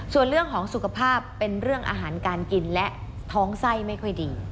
ส่วนเรื่องของสุขภาพเป็นเรื่องอาหารการกินและท้องไส้ไม่ค่อยดี